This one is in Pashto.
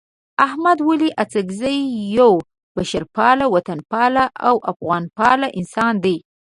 احمد ولي اڅکزی یو بشرپال، وطنپال او افغانپال انسان دی.